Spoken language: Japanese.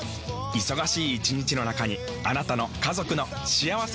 忙しい一日の中にあなたの家族の幸せな時間をつくります。